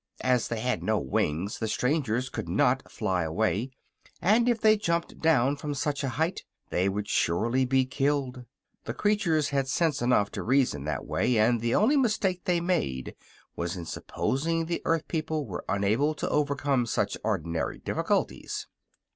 As they had no wings the strangers could not fly away, and if they jumped down from such a height they would surely be killed. The creatures had sense enough to reason that way, and the only mistake they made was in supposing the earth people were unable to overcome such ordinary difficulties.